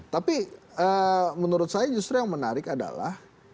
tapi menurut saya justru yang menarik adalah